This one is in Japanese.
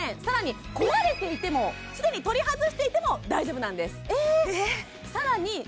さらに壊れていてもすでに取り外していても大丈夫なんですさらに